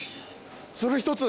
それ１つ。